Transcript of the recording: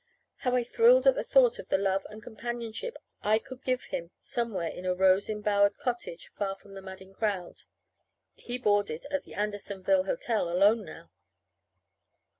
How I thrilled at the thought of the love and companionship I could give him somewhere in a rose embowered cottage far from the madding crowd! (He boarded at the Andersonville Hotel alone now.)